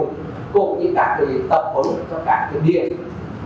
cũng như các đối tượng tập hợp cho các thương điện